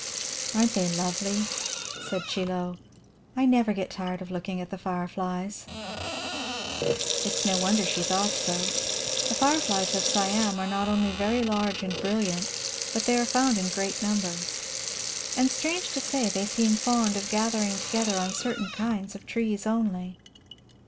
"Aren't they lovely?" said Chie Lo. "I never get tired of looking at the fireflies." It is no wonder she thought so. The fireflies of Siam are not only very large and brilliant, but they are found in great numbers. And, strange to say, they seem fond of gathering together on certain kinds of trees only.